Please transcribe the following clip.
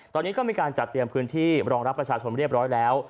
ตอนนี้ก็มีการจัดเตรียมพื้นที่รองรับประชาชนเรียบร้อยแล้ว